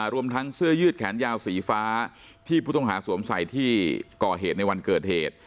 รวมทั้งเสื้อยืดแขนยาวสีฟ้าที่ผู้ต้องหาสวมใส่ที่ก่อเหตุในวันเกิดเหตุ